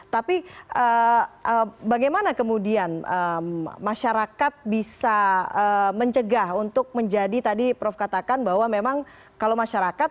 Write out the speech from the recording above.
tapi bagaimana kemudian masyarakat bisa mencegah untuk menjadi tadi prof katakan bahwa memang kalau masyarakat